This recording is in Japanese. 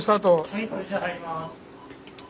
・はい入ります。